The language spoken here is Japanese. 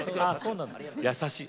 優しい。